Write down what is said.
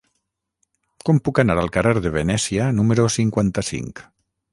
Com puc anar al carrer de Venècia número cinquanta-cinc?